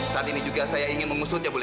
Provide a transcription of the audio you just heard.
saat ini juga saya ingin mengusutnya boleh